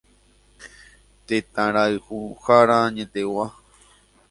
Tetãrayhuhára añetegua.